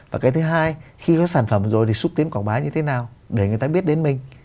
và cái thứ hai khi có sản phẩm rồi thì xúc tiến quảng bá như thế nào để người ta biết đến mình